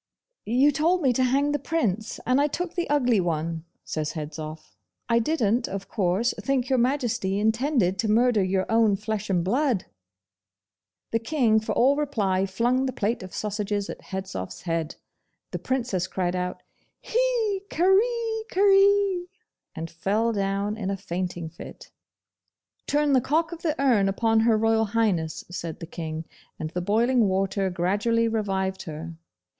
'You told me to hang the Prince, and I took the ugly one,' says Hedzoff. 'I didn't, of course, think Your Majesty intended to murder your own flesh and blood!' The King for all reply flung the plate of sausages at Hedzoff's head. The Princess cried out 'Hee kareekaree!' and fell down in a fainting fit. 'Turn the cock of the urn upon Her Royal Highness,' said the King, and the boiling water gradually revived her.